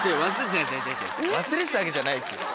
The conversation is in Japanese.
忘れてたわけじゃないですよ。